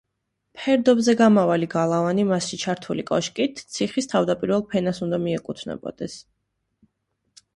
ფერდობზე გამავალი გალავანი მასში ჩართული კოშკით, ციხის თავდაპირველ ფენას უნდა მიეკუთვნებოდეს.